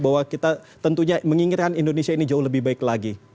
bahwa kita tentunya menginginkan indonesia ini jauh lebih baik lagi